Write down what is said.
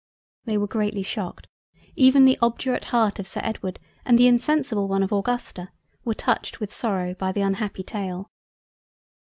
They were greatly shocked—even the obdurate Heart of Sir Edward and the insensible one of Augusta, were touched with sorrow, by the unhappy tale.